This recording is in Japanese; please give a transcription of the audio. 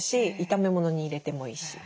炒め物に入れてもいいし。